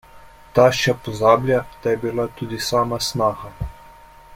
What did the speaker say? Tašča pozablja, da je bila tudi sama snaha.